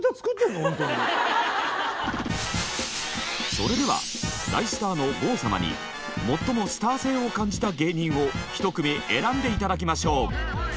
それでは大スターの郷様に最もスター性を感じた芸人をひと組選んで頂きましょう。